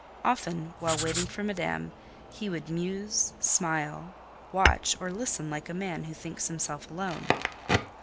Often, while waiting for Madame, he would muse, smile, watch, or listen like a man who thinks himself alone.